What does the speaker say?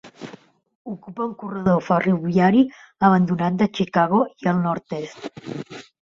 Ocupa un corredor ferroviari abandonat de Chicago i el Nord-est.